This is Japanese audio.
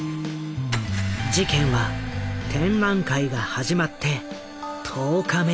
事件は展覧会が始まって１０日目に起きた。